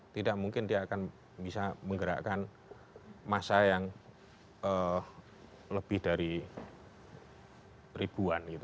tidak mungkin dia akan bisa menggerakkan masa yang lebih dari ribuan gitu